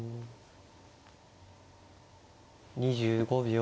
２５秒。